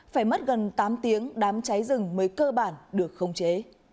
phải mất gần tám tiếng đám cháy rừng mới cơ bản được khống chế